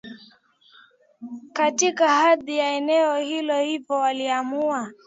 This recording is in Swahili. katika ardhi ya eneo hilo Hivyo waliamua